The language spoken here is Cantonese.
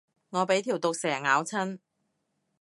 我俾條毒蛇咬親